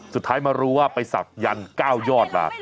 สุดท้ายมารู้ว่าไปสักยัน๙ยอดนะ